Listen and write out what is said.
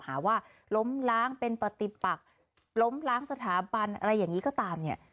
หาว่าล้มล้างเป็นปฏิปักล้มล้างสถาบันอะไรอย่างนี้ก็ตามเนี่ย